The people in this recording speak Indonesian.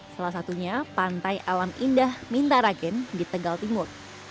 salah satunya pantai alam indah mintaragen di tegal timur